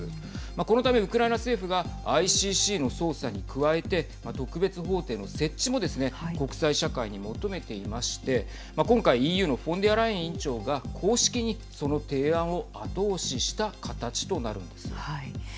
このためウクライナ政府がＩＣＣの捜査に加えて特別法廷の設置もですね国際社会に求めていまして今回、ＥＵのフォンデアライエン委員長が公式にその提案を後押しした形となるんです。